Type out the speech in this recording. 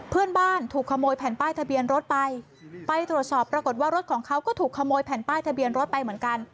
เพื่อนบ้านถูกขโมยแผ่นป้ายทะเบียนรถไปไปตรวจสอบปรากฏว่ารถของเขาก็ถูกขโมยแผ่นป้ายทะเบียนรถไปเหมือนกัน